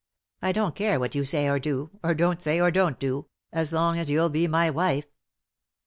I don't care what you say or do — or don't say, or don't do — as long as you'll be my wife.